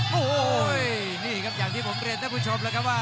โอ้โหนี่ครับอย่างที่ผมเรียนท่านผู้ชมแล้วครับว่า